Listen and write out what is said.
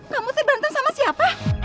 kamu tuh berantem sama siapa